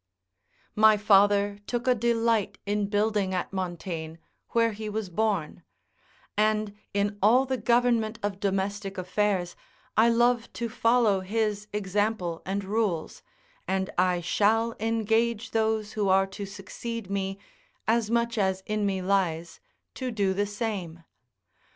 ] My father took a delight in building at Montaigne, where he was born; and in all the government of domestic affairs I love to follow his example and rules, and I shall engage those who are to succeed me, as much as in me lies, to do the same.